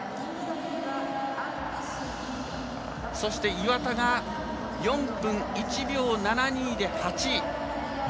岩田が４分１秒７２で８位。